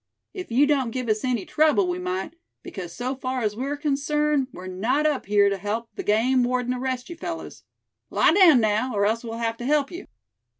"If you don't give us any trouble, we might; because so far as we're concerned we're not up here to help the game warden arrest you fellows. Lie down now, or else we'll have to help you!"